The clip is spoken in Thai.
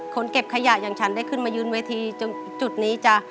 เก็บขยะอย่างฉันได้ขึ้นมายืนเวทีจุดนี้จ้ะ